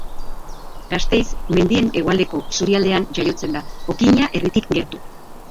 Gasteiz mendien hegoaldeko isurialdean jaiotzen da, Okina herritik gertu.